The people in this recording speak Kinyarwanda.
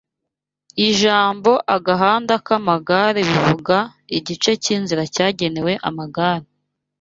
Ijambo agahanda k'amagare bivuga igice cy'inzira cyagenewe amagare